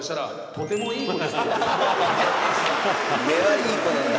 「」根はいい子なんだ。